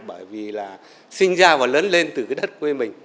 bởi vì là sinh ra và lớn lên từ cái đất quê mình